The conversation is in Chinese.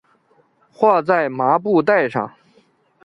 画在麻布袋上